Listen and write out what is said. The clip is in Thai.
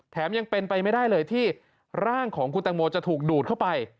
ยังเป็นไปไม่ได้เลยที่ร่างของคุณตังโมจะถูกดูดเข้าไป